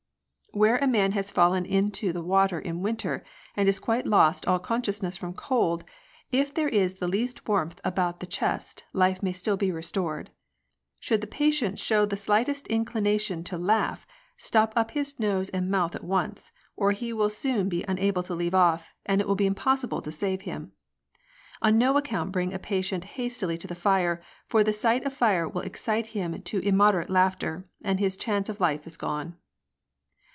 " Where a man has fallen into the water in winter, and has quite lost all consciousness from cold, if there is the least warmth about the chest, life may still be restored. Should the patient show the slightest inclination to laugh, stop up his nose and mouth at once, or he will soon be unable to leave off, and it will be impossible to save him. On no account bring a patient hastily to the fire, for the sight of fire will excite him to immoderate laughter, and his chance of life is gone.